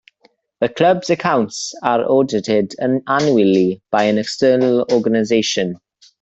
The Club's accounts are audited annually by an external organisation.